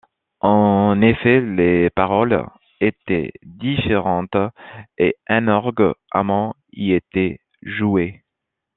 En effet, les paroles étaient différentes et un orgue Hammond y était joué.